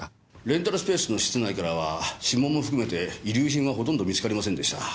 レンタルスペースの室内からは指紋も含めて遺留品はほとんど見つかりませんでしたが。